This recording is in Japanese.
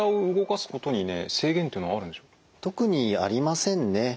特にありませんね。